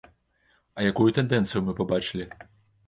А якую тэндэнцыю мы пабачылі?